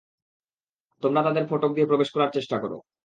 তোমরা তাদের ফটক দিয়ে প্রবেশ করার চেষ্টা কর।